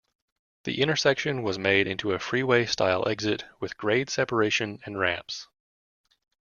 The intersection was made into a freeway-style exit with grade separation and ramps.